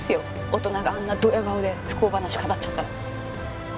大人があんなドヤ顔で不幸話語っちゃったら。